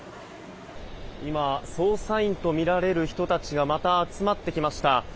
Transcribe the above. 今捜査員とみられる人たちがまた集まってきました。